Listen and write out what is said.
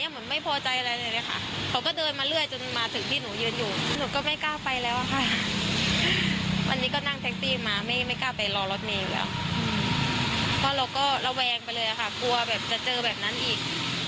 เราก็ระแวงไปเลยค่ะกลัวจะเจอแบบนั้นอีก